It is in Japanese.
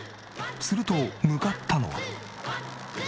すると向かったのは。